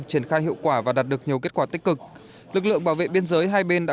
triển khai hiệu quả và đạt được nhiều kết quả tích cực lực lượng bảo vệ biên giới hai bên đã